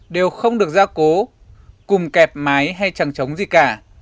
đều không được ra cố cùng kẹp máy hay chẳng chống gì cả